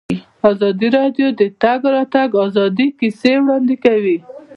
ازادي راډیو د د تګ راتګ ازادي کیسې وړاندې کړي.